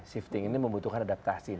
shifting ini membutuhkan adaptasi